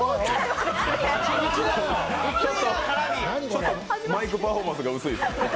ちょっとマイクパフォーマンスが薄い。